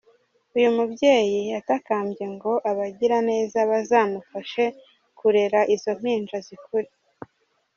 Uyu mubyei yatakambye ngo abagiraneza bazamufashe kurera izo mpinja zikure.